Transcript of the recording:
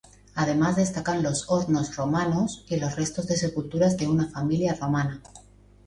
Además destacan los hornos romanos y los restos de sepulturas de una familia romana.